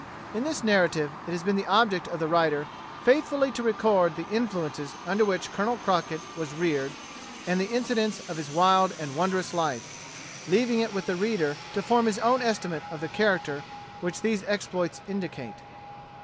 In this narrative it has been the object of the writer faithfully to record the influences under which Colonel Crockett was reared, and the incidents of his wild and wondrous life, leaving it with the reader to form his own estimate of the character which these exploits indicate.